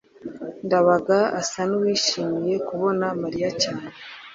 ndabaga asa nuwishimiye kubona mariya cyane